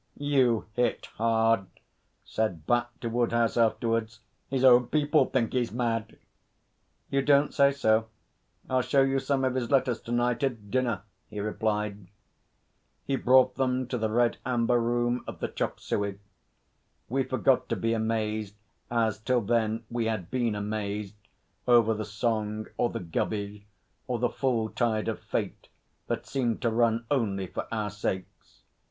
'You hit hard,' said Bat to Woodhouse afterwards. 'His own people think he's mad.' 'You don't say so? I'll show you some of his letters to night at dinner,' he replied. He brought them to the Red Amber Room of the Chop Suey. We forgot to be amazed, as till then we had been amazed, over the Song or 'The Gubby,' or the full tide of Fate that seemed to run only for our sakes.